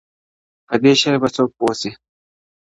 په دې شعر به څوک پوه سي -